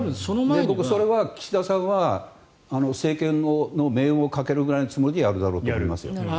僕、それは岸田さんは政権の命運をかけるぐらいのつもりでやるだろうと思いますよ。